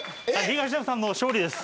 東野さんの勝利です。